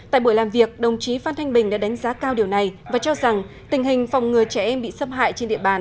tại buổi làm việc đồng chí phan thanh bình đã đánh giá cao điều này và cho rằng tình hình phòng ngừa trẻ em bị xâm hại trên địa bàn